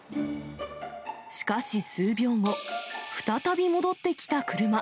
しかし数秒後、再び戻ってきた車。